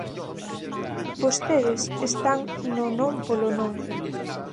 Vostedes están no non polo non.